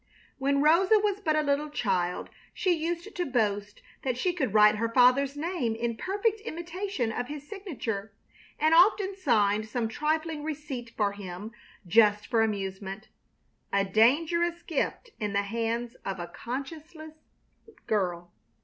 When Rosa was but a little child she used to boast that she could write her father's name in perfect imitation of his signature; and often signed some trifling receipt for him just for amusement. A dangerous gift in the hands of a conscienceless girl!